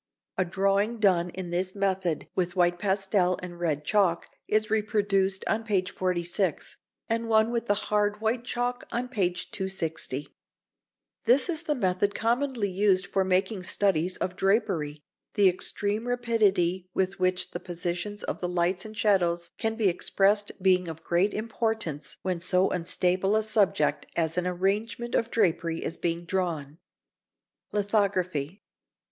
A drawing done in this method with white pastel and red chalk is reproduced on page 46 [Transcribers Note: Plate IV], and one with the hard white chalk, on page 260 [Transcribers Note: Plate LIV]. This is the method commonly used for making studies of drapery, the extreme rapidity with which the position of the lights and shadows can be expressed being of great importance when so unstable a subject as an arrangement of drapery is being drawn. [Sidenote: Lithography.